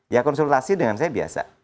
ya konsultasi dengan saya biasa